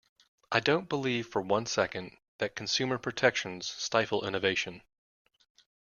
I don't believe for one second that consumer protections stifle innovation.